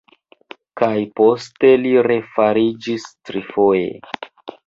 Kaj poste li refariĝis trifoje.